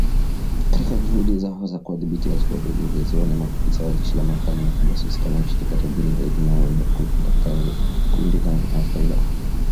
Katika juhudi zao za kuwadhibiti al-Shabaab ilielezewa na maafisa wa jeshi la Marekani na kijasusi kama mshirika tajiri zaidi na mwenye nguvu wa kundi la kigaidi la al-Qaida